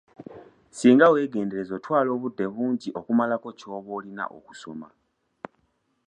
Singa weegendereza otwala obudde bungi okumalako ky'oba olina okusoma.